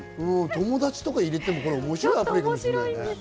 友達とか入れても面白いかもしれないね。